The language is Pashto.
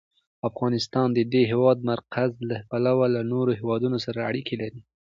افغانستان د د هېواد مرکز له پلوه له نورو هېوادونو سره اړیکې لري.